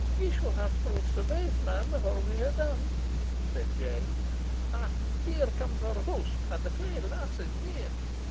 "Ye shall hae proofs of baith, man, afore we hae done," said James. "Ah! here comes our host, an the twa lassies wi' him.